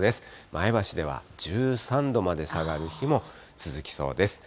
前橋では１３度まで下がる日も続きそうです。